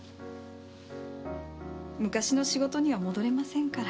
昔の仕事には戻れませんから。